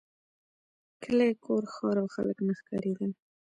کلی کور ښار او خلک نه ښکارېدل.